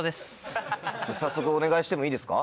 早速お願いしてもいいですか？